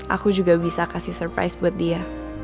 aku juga bisa kasih surprise buat dia